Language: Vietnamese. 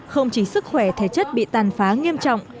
không chỉ sức khỏe thể chất bị tàn phá nghiêm trọng